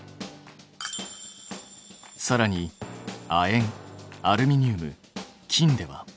さらに亜鉛アルミニウム金では？